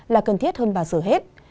là cần thiết hơn bao giờ hết